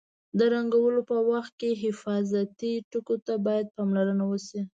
د رنګولو په وخت کې حفاظتي ټکو ته باید پاملرنه وشي.